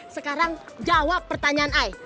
sekarang jawab pertanyaan i